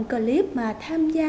clip mà tham gia